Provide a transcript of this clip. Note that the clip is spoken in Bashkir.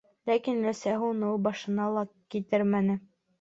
Ләкин өләсәһе уны башына ла килтермәне.